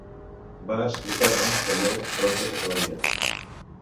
Va explicar-me que allò prompte s'acabaria.